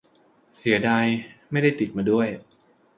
เสียดายไม่ได้ติดมาด้วย